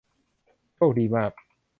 โชคดีมาก